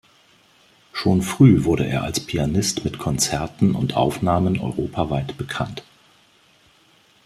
Schon früh wurde er als Pianist mit Konzerten und Aufnahmen europaweit bekannt.